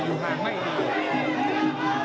อยู่ห่างไม่อีก